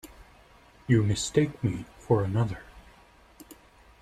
You mistake me for another.